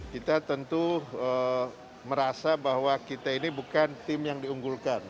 kita tentu merasa bahwa kita ini bukan tim yang diunggulkan